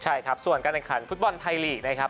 ใช่ครับส่วนการแข่งขันฟุตบอลไทยลีกนะครับ